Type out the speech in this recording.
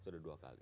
sudah dua kali